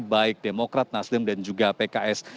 baik demokrat nasdem dan juga pks